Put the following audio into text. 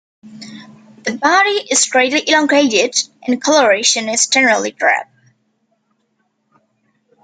The body is greatly elongated, and coloration is generally drab.